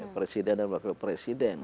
presiden dan bakal presiden